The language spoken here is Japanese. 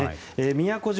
宮古島